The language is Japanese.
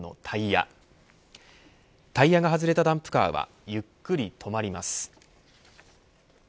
タイヤが外れたダンプカーはゆっくり止まります。